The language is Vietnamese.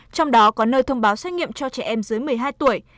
trong đó có nơi thông báo xét nghiệm cho trẻ em dưới một mươi hai tuổi